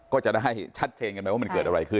ก็จะได้ชัดเจนกันไปว่ามันเกิดอะไรขึ้น